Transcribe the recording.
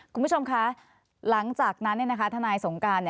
คุณผู้ชมคะหลังจากนั้นทนายสงการ